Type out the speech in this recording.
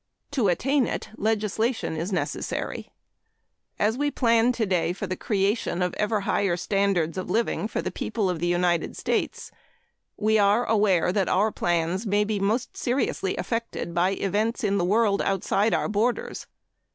To attain it, legislation is necessary. As we plan today for the creation of ever higher standards of living for the people of the United States, we are aware that our plans may be most seriously affected by events in the world outside our borders.